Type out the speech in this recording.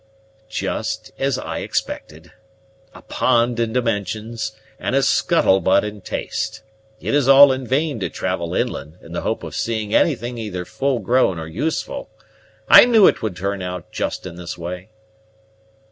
"Just as I expected. A pond in dimensions, and a scuttle butt in taste. It is all in vain to travel inland, in the hope of seeing anything either full grown or useful. I knew it would turn out just in this way."